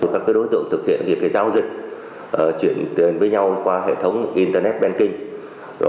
các đối tượng thực hiện giao dịch chuyển tiền với nhau qua hệ thống internet banking